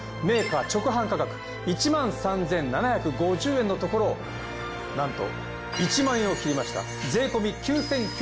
メーカー直販価格１３，７５０円のところをなんと１万円を切りました。